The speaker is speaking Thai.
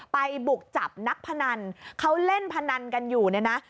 ไปบุกจับนักพนันเขาเล่นพนันกันอยู่เนี่ยนะ